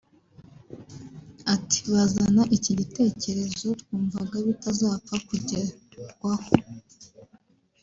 Ati «Bazana iki gitekerezo twumvaga bitazapfa kugerwaho